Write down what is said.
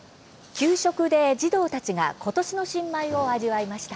給食で児童たちが今年の新米を味わいました。